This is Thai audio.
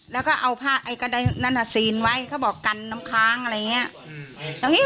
แล้วก็เอาผ้าไอ้กระดายนั้นซีนไว้เขาบอกกันน้ำค้างอะไรอย่างนี้